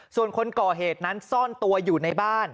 ส่วนคนก่อเหตุนั้นซ่อนตัวอยู่ในบ้าน